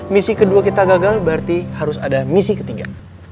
misi kedua kita gagal berarti harus ada misi ketiga